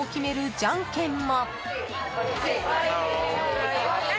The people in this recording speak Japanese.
じゃんけんも。